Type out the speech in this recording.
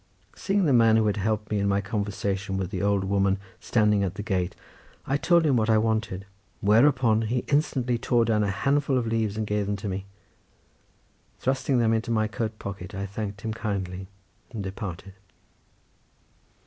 Seeing the man who had helped me in my conversation with the old woman standing at the gate, I told him what I wanted, whereupon he instantly tore down a handful of leaves and gave them to me—thrusting them into my coat pocket I thanked him kindly and departed.